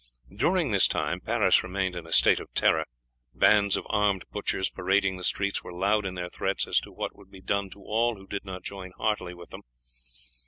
During this time Paris remained in a state of terror, bands of armed butchers parading the streets were loud in their threats as to what would be done to all who did not join heartily with them.